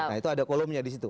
nah itu ada kolomnya di situ